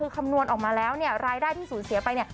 คำนวณออกมาแล้วรายได้ที่สูญเสียไป